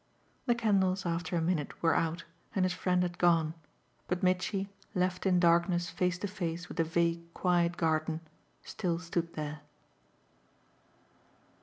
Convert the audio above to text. The candles after a minute were out and his friend had gone, but Mitchy, left in darkness face to face with the vague quiet garden, still stood there.